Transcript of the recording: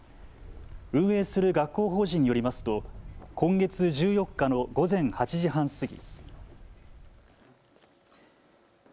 運営する学校法人によりますと今月１４日の午前８時半過ぎ。